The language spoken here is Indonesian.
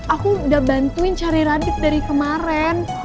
aku udah bantuin cari radit dari kemaren